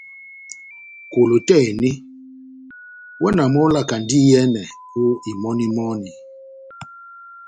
Kolo tɛ́h eni, iwɛ na mɔ́ ivalandi iyɛ́nɛ ó imɔni-imɔni.